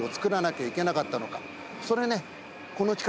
それね。